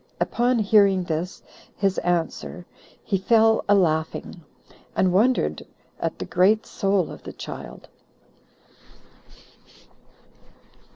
Upon hearing this his answer he fell a laughing, and wondered at the great soul of the child.